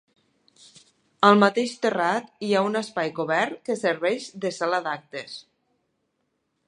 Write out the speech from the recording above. Al mateix terrat hi ha un espai cobert que serveix de sala d'actes.